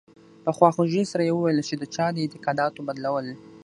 په خواخوږۍ سره یې وویل چې د چا د اعتقاداتو بدلول.